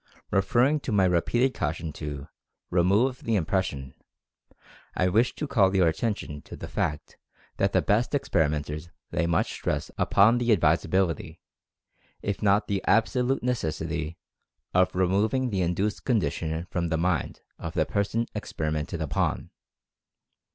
Referring to my repeated caution to "Remove the impression," I wish to call your attention to the fact that the best experimenters lay much stress upon the advisability, if not the absolute necessity, of removing the induced condition from the mind of the person experimented upon.